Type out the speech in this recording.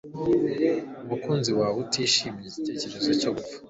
Umukunzi wawe utishimye igitekerezo cyo gupfa